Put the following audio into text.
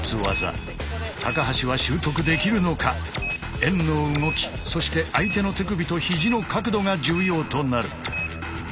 円の動きそして相手の手首とひじの角度が重要となる。